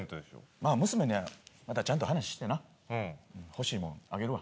まあ娘にはまたちゃんと話してな欲しいものあげるわ。